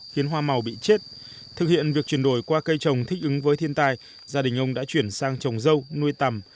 khiến hoa màu bị chết thực hiện việc chuyển đổi qua cây trồng thích ứng với thiên tài gia đình ông đã chuyển sang trồng sâu nuôi tăm